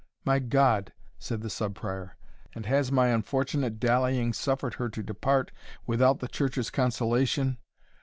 "My God!" said the Sub Prior, "and has my unfortunate dallying suffered her to depart without the Church's consolation!